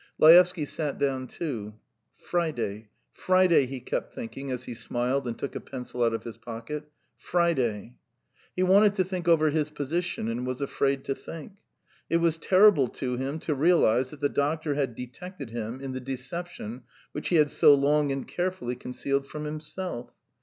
Laevsky sat down too. "Friday ... Friday ..." he kept thinking, as he smiled and took a pencil out of his pocket. "Friday. ..." He wanted to think over his position, and was afraid to think. It was terrible to him to realise that the doctor had detected him in the deception which he had so long and carefully concealed from himself.